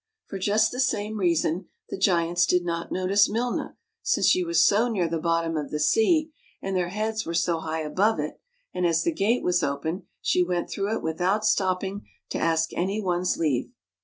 For just the same reason the giants did not notice Milna, since she was so near the bottom of the sea, and their heads were so high above it, and as the gate was open, she went through it without stopping to ask any one's leave.